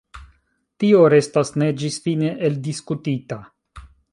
Tio restas ne ĝisfine eldiskutita.